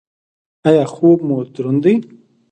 ایا خوب مو دروند دی؟